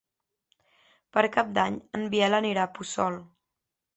Per Cap d'Any en Biel anirà a Puçol.